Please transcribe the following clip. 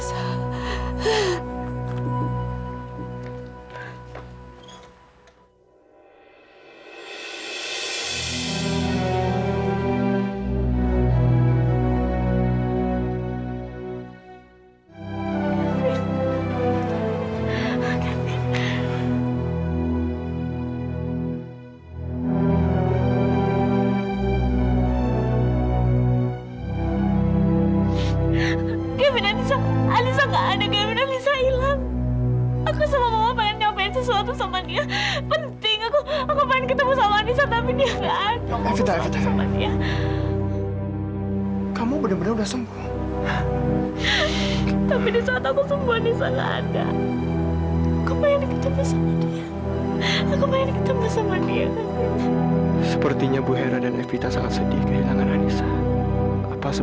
sudah kita harus tetap cari dia